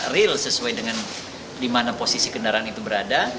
real sesuai dengan di mana posisi kendaraan itu berada